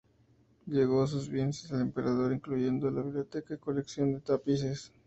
Legó sus bienes al emperador, incluyendo la biblioteca y la colección de tapices.